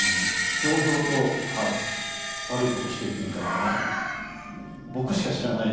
ひょうひょうと悪いことしていくみたいなね。